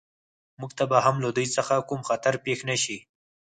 موږ ته به هم له دوی څخه کوم خطر پېښ نه شي